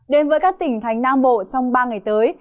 đến với các tỉnh thành nam bộ trong ba ngày tới